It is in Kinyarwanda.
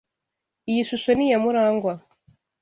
Iyi shusho ni iya Murangwa.